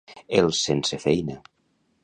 Els sense feina.